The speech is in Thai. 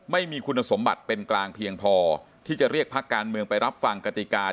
ไม่มีคุณสมบัติเป็นกลางเพียงพอที่จะเรียกพักการเมืองไปรับฟังกติกา